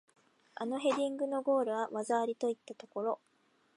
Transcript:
あのヘディングのゴールは技ありといったところ